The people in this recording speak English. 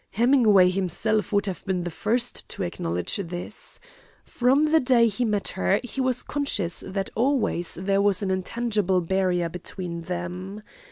Hemingway himself would have been the first to acknowledge this. From the day he met her he was conscious that always there was an intangible barrier between them.